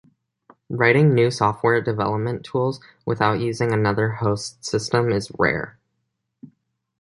Writing new software development tools without using another host system is rare.